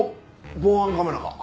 防犯カメラか。